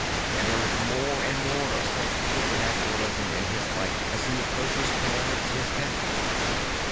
And there is more and more of such supernaturalism in his life as he a pproaches towards his death.